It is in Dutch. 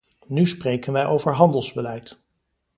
Nu spreken wij over handelsbeleid.